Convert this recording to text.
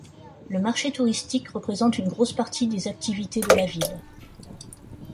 Le marché touristique représente une grosse partie des activités de la ville.